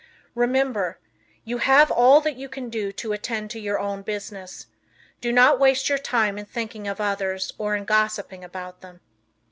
Remember, you have all you can do to attend to your own business. Do not waste your time in thinking of others or in gossiping about them.